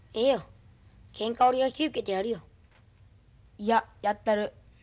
いややったる。